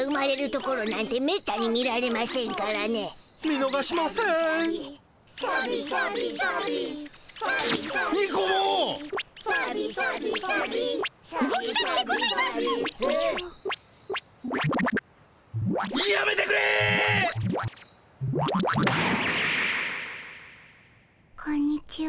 こんにちは。